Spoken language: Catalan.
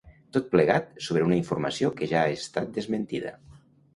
Tot plegat sobre una informació que ja ha estat desmentida.